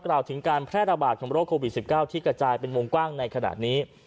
กล่าวถึงการแพร่ระบาดของโรคโควิด๑๙ที่กระจายเป็นวงกว้างในขณะนี้